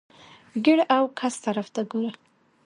ګېڼ او ګس طرف ته ګوره !